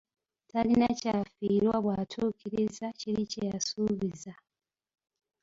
Talina kyafiirwa bw’atuukiriza kiri kye’yasuubiza.